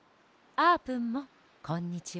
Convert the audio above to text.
あーぷんもこんにちは。